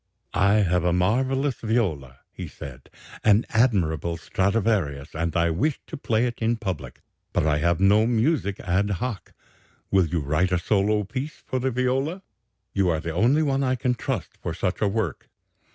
'I have a marvellous viola,' he said, 'an admirable Stradivarius, and I wish to play it in public. But I have no music ad hoc. Will you write a solo piece for the viola? You are the only one I can trust for such a work.'